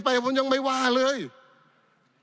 ปี๑เกณฑ์ทหารแสน๒